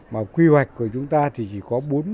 mà quy hoạch của chúng ta là năm trăm bốn mươi hectare